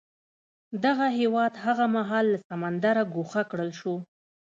دغه هېواد هغه مهال له سمندره ګوښه کړل شو.